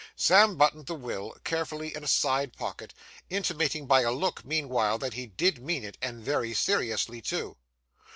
Sam buttoned the will carefully in a side pocket; intimating by a look, meanwhile, that he did mean it, and very seriously too.